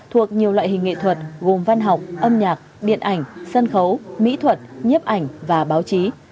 thuộc nhiều loại hình nghệ thuật gồm văn học âm nhạc điện ảnh sân khấu mỹ thuật nhiếp ảnh và báo chí